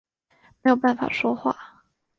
没有办法说话